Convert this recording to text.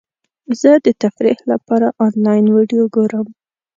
زه د تفریح لپاره انلاین ویډیو ګورم.